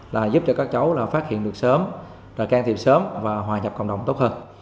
là giúp cho các cháu phát hiện được sớm can thiệp sớm và hòa nhập cộng đồng tốt hơn